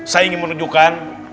saya ingin menunjukkan